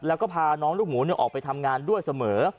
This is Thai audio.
แล้วก็พาน้องลูกหมูออกไปทำงานด้วยเสมอ